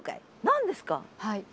何ですか？